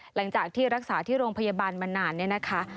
หลังจากที่รักษาที่โรงพยาบาลมานาน